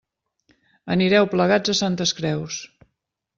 Anireu plegats a Santes Creus.